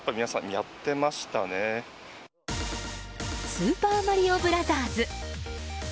「スーパーマリオブラザーズ」。